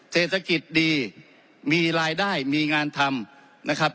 เศรษฐกิจดีมีรายได้มีงานทำนะครับ